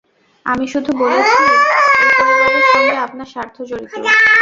আমি শুধু বলেছি-এই পরিবারের সঙ্গে আপনার স্বার্থজড়িত।